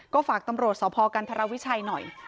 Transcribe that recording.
ก็ฝากสพกธเราิชัยหน่อย